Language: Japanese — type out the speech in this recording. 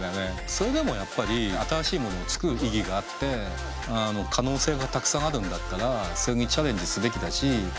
それでもやっぱり新しいものを作る意義があって可能性がたくさんあるんだったらそれにチャレンジすべきだし。